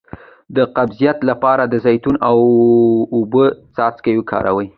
د قبضیت لپاره د زیتون او اوبو څاڅکي وکاروئ